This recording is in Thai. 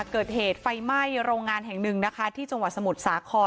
เกิดเหตุไฟไหม้โรงงานแห่งหนึ่งนะคะที่จังหวัดสมุทรสาคร